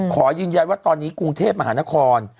ขอยืนยันว่าตอนนี้กรุงเทพมหานคร